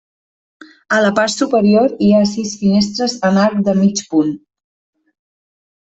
A la part superior hi ha sis finestres en arc de mig punt.